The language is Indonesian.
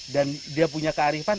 dan dia punya kearifan